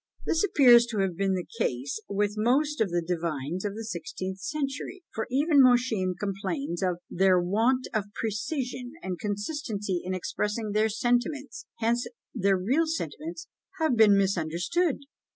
This appears to have been the case with most of the divines of the sixteenth century; for even Mosheim complains of "their want of precision and consistency in expressing their sentiments, hence their real sentiments have been misunderstood."